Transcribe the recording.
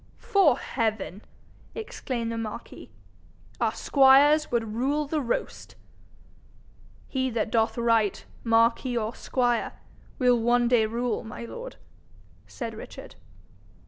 ''Fore heaven!' exclaimed the marquis, 'our squires would rule the roast.' 'He that doth right, marquis or squire, will one day rule, my lord,' said Richard.